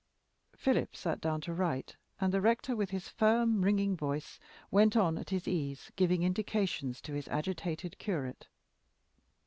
Philip sat down to write, and the rector, with his firm ringing voice, went on at his ease, giving "indications" to his agitated curate.